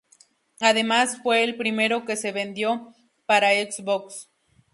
Además, fue el primero que se vendió para Xbox.